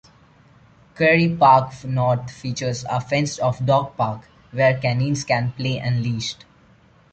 Quarry Park North features a fenced off dog park, where canines can play unleashed.